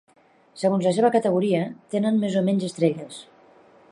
Segons la seva categoria, tenen més o menys estrelles.